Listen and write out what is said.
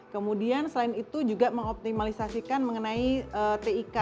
kemudian selain itu juga mengoptimalisasikan mengenai tik